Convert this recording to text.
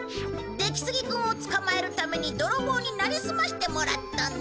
出木杉くんを捕まえるために泥棒になりすましてもらったんだ。